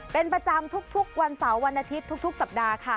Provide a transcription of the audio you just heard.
เป็นประจำทุกวันเสาร์วันอาทิตย์ทุกสัปดาห์ค่ะ